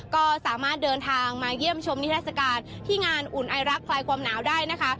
ก็สามารถเดินทางมาเยี่ยมชมนิทัศกาลที่งานอุ่นไอรักคลายความหนาวได้นะคะ